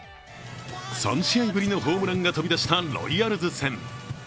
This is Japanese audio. ３試合ぶりのホームランが飛び出したロイヤルズ戦。